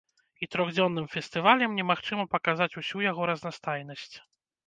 І трохдзённым фестывалем немагчыма паказаць усю яго разнастайнасць.